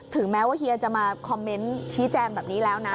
แม้ว่าเฮียจะมาคอมเมนต์ชี้แจงแบบนี้แล้วนะ